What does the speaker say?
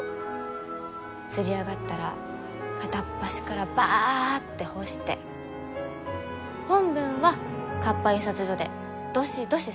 刷り上がったら片っ端からバッて干して本文は活版印刷所でどしどし刷って。